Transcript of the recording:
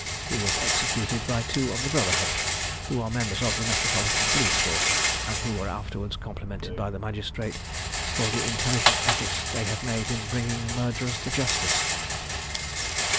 He was executed by two of the Brotherhood, who are members of the Metropolitan police force, and who were afterwards complimented by the magistrate for the intelligent efforts they had made in bringing the murderers to justice."